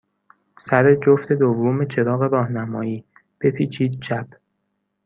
سر جفت دوم چراغ راهنمایی، بپیچید چپ.